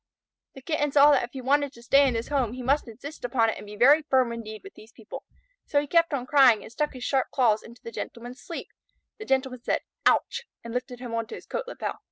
The Kitten saw that if he wanted to stay in this home he must insist upon it and be very firm indeed with these people. So he kept on crying and stuck his sharp claws into the Gentleman's sleeve. The Gentleman said "Ouch!" and lifted him on to his coat lapel.